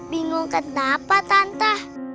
bingung kenapa tante